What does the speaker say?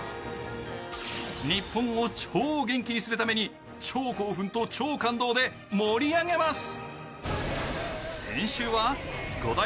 日本を超元気にするために超興奮と超感動で盛り上げます。